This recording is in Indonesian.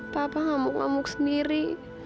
papa ngamuk ngamuk sendiri